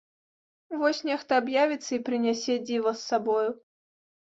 Вось нехта аб'явіцца і прынясе дзіва з сабою.